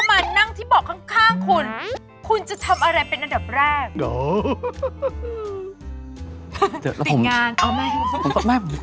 ไม่ต้องไม่กลายทรัพย์การสมมุติสมมุติ